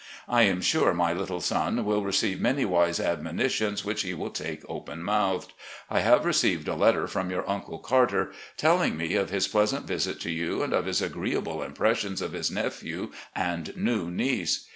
I am sure my little son will receive many wise admonitions which he will take open mouthed. I have received a letter from your Uncle Carter telling me of his pleasant visit to you and of his agreeable impressions of his nephew and new niece.